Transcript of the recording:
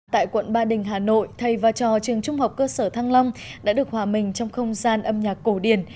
tại quận ba đình hà nội thầy và trò trường trung học cơ sở thăng long đã được hòa mình trong không gian âm nhạc cổ điển